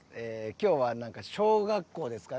今日はなんか小学校ですかね。